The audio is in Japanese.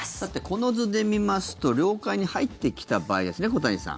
この図で見ますと領海に入ってきた場合ですね。